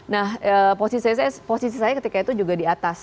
nah posisi saya ketika itu juga di atas